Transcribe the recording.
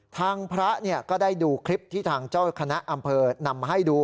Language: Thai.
ทางพระก็ได้ดูคลิปที่ทางเจ้าคณะอำเภอนำมาให้ดู